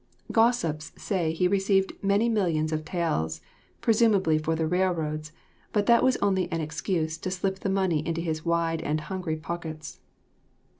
Gossips say he received many millions of taels, presumably for the railroads, but that was only an excuse to slip the money into his wide and hungry pockets.